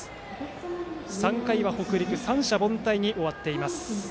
３回は北陸、三者凡退に終わっています。